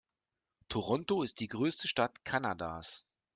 Toronto ist die größte Stadt Kanadas.